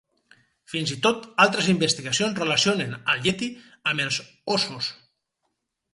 Fins i tot altres investigacions relacionen al ieti amb els óssos.